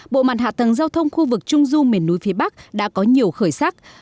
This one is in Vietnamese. bộ mặt hạ tầng giao thông khu vực trung du miền núi phía bắc đã có nhiều khởi sắc